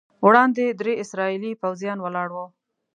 وړاندې درې اسرائیلي پوځیان ولاړ وو.